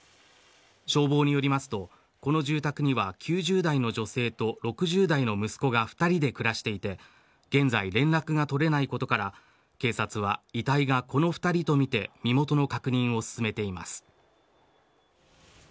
消防によりますと、この住宅には９０代の女性と６０代の息子が２人で暮らしていて現在、連絡が取れないことから警察は遺体がこの２人とみて身元の確認を進めています。